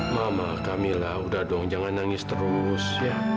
mama kamila udah dong jangan nangis terus ya